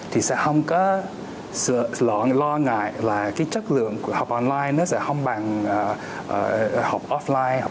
thì sẽ không có lo ngại là chất lượng của học online sẽ không bằng học offline